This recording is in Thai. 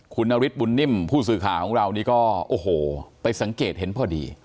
คุณนฤทธบุญนิ่มผู้สื่อข่าวของเรานี่ก็โอ้โหไปสังเกตเห็นพอดี